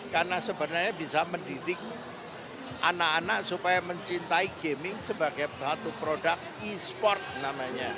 karena sebenarnya bisa mendidik anak anak supaya mencintai gaming sebagai satu produk e sport namanya